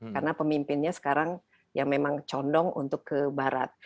karena pemimpinnya sekarang yang memang condong untuk ke barat